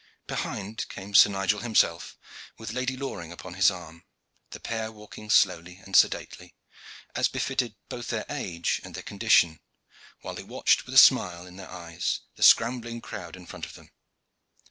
Behind came Sir Nigel himself, with Lady Loring upon his arm, the pair walking slowly and sedately, as befitted both their age and their condition, while they watched with a smile in their eyes the scrambling crowd in front of them.